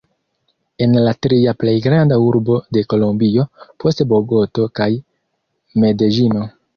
En la tria plej granda urbo de Kolombio, post Bogoto kaj Medeĝino.